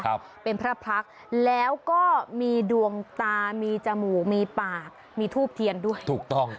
ครับเป็นพระพรรคแล้วก็มีดวงตามีจมูกมีปากมีทูบเทียนด้วยถูกต้อง